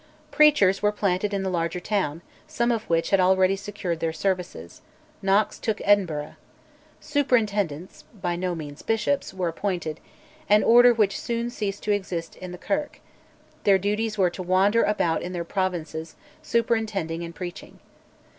Preachers were planted in the larger town, some of which had already secured their services; Knox took Edinburgh. "Superintendents," by no means bishops were appointed, an order which soon ceased to exist in the Kirk: their duties were to wander about in their provinces, superintending and preaching.